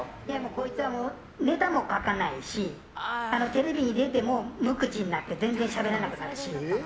こいつはネタも書かないしテレビに出ても無口になって全然しゃべらなくなるし。